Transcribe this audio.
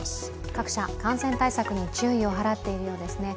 各社、感染対策に注意を払っているようですね。